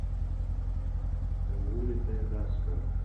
غولي ته يې لاس کړ.